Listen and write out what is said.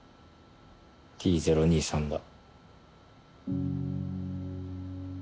Ｔ０２３だ。